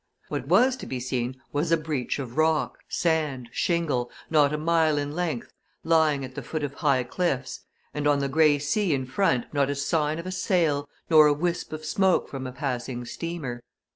What was to be seen was a breach of rock, sand, shingle, not a mile in length, lying at the foot of high cliffs, and on the grey sea in front not a sign of a sail, nor a wisp of smoke from a passing steamer.